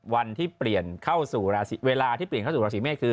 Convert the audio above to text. วันที่เปลี่ยนเข้าสู่ราศิเมฆคือ